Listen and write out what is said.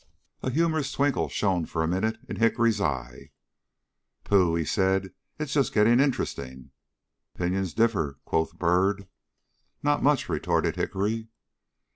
A humorous twinkle shone for a minute in Hickory's eye. "Pooh!" said he, "it's just getting interesting." "Opinions differ," quoth Byrd. "Not much," retorted Hickory.